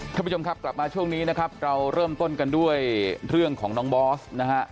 ท่านผู้ชมครับกลับมาช่วงนี้นะครับเราเริ่มต้นกันด้วยเรื่องของน้องบอสนะฮะ